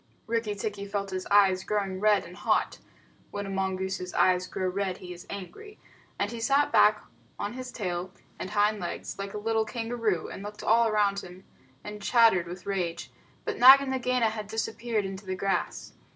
Rikki tikki felt his eyes growing red and hot (when a mongoose's eyes grow red, he is angry), and he sat back on his tail and hind legs like a little kangaroo, and looked all round him, and chattered with rage. But Nag and Nagaina had disappeared into the grass.